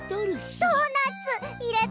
ドーナツいれた！？